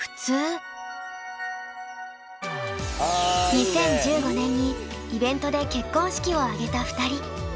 ２０１５年にイベントで結婚式をあげた２人。